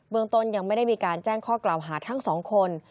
เมืองต้นยังไม่ได้มีการแจ้งข้อกล่าวหาทั้งสองคน